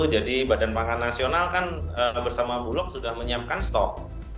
jadi badan pangan nasional kan bersama bulog sudah menyiapkan stok